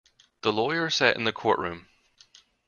The lawyer sat in the courtroom.